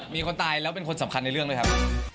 มีคนตายแล้วเป็นคนสำคัญในเรื่องด้วยครับ